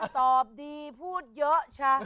ตอบดีพูดเยอะชะ